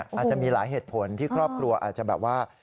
อาจจะมีหลายเหตุผลที่ครอบครัวอาจจะแบบว่า